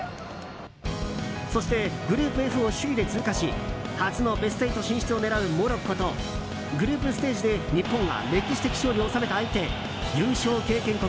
そしてグループＦを首位で通過し初のベスト８進出を狙うモロッコとグループステージで日本が歴史的勝利を収めた相手優勝経験国